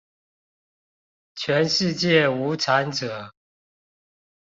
全世界無產者